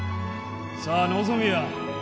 さあ望みや！